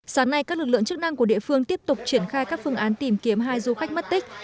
sáng nay các lực lượng chức năng của địa phương tiếp tục triển khai các phương án tìm kiếm hai du khách mất tích